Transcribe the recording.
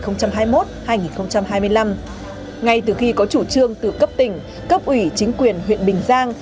ngay từ khi có chủ trương từ cấp tỉnh cấp ủy chính quyền huyện bình giang